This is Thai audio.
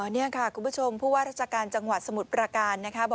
นี่ค่ะคุณผู้ชมผู้ว่าราชการจังหวัดสมุทรประการนะคะ